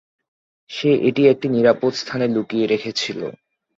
সে এটি একটি নিরাপদ স্থানে লুকিয়ে রেখেছিল।